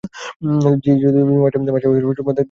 জ্বি, মাসে দেড়শ টাকা আর কাপড়চোপড়।